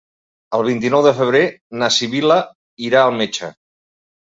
El vint-i-nou de febrer na Sibil·la irà al metge.